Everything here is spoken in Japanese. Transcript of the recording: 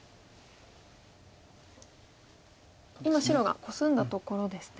今白がコスんだところですね。